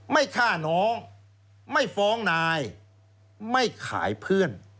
ไม่ฆ่าน้องไม่ฟ้องนายไม่ขายเพื่อน